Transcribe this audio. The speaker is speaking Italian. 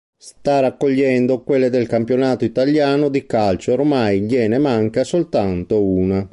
Sta raccogliendo quelle del campionato italiano di calcio e ormai gliene manca soltanto una.